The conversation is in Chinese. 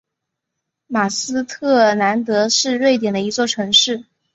马斯特兰德是瑞典的一座城市。